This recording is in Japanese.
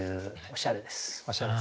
おしゃれです。